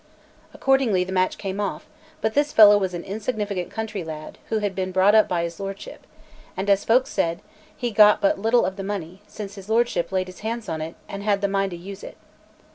Accordingly the match came off; but this fellow was an insignificant country lad, who had been brought up by his lordship; and, as folk said, he got but little of the money, since his lordship laid his hands on it and had the mind to use it.